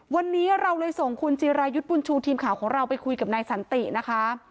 วันนี้เราเลยส่งคุณจิรายุทธ์บุญชูทีมข่าวของเราไปคุยกับนายสันตินะคะ